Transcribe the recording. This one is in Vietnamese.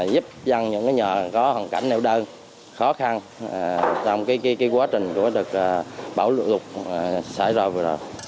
giúp dân những nhà có hoàn cảnh nêu đơn khó khăn trong quá trình được bảo lục xảy ra vừa rồi